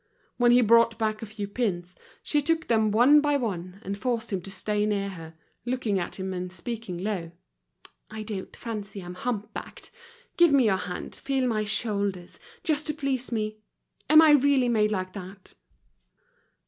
When he brought back a few pins, she took them one by one, and forced him to stay near her, looking at him and speaking low. "I don't fancy I'm hump backed. Give me your hand, feel my shoulders, just to please me. Am I really made like that?"